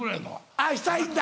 あぁしたいんだ。